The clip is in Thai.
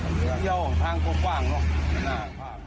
ยาวของทางกว้างเนอะ